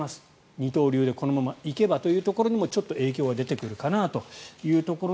二刀流でこのままいけばというところにも影響が出てくるかなという。